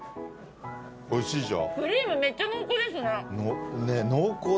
おいしいでしょ？